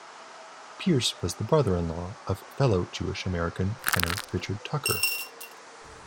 Peerce was the brother-in-law of fellow Jewish-American tenor Richard Tucker.